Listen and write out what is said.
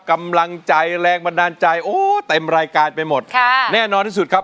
กำลังใจแรงบันดาลใจโอ้เต็มรายการไปหมดค่ะแน่นอนที่สุดครับ